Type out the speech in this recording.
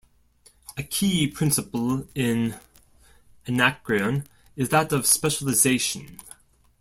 A key principle in "Anacreon" is that of specialization.